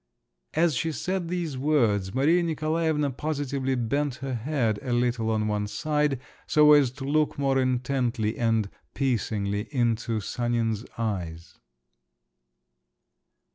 As she said these words, Maria Nikolaevna positively bent her head a little on one side so as to look more intently and piercingly into Sanin's eyes.